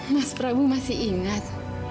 mas prabu masih ingat